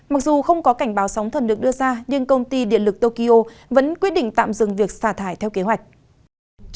mặc dù không có cảnh báo sóng thần được đưa ra nhưng công ty điện lực tokyo vẫn quyết định tạm dừng việc xả thải theo kế hoạch